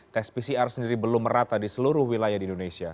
tes pcr sendiri belum merata di seluruh wilayah di indonesia